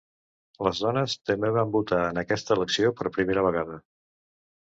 Les dones també van votar en aquesta elecció per primera vegada.